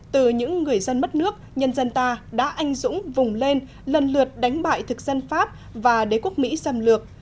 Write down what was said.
từ những người dân mất nước nhân dân ta đã anh dũng vùng lên lần lượt đánh bại thực dân pháp và đế quốc mỹ xâm lược